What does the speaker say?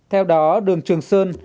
theo đó đường trường sơn